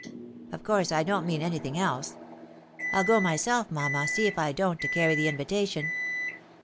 Of course I don't mean anything else. I'll go myself, mamma, see if I don't, to carry the invita tion.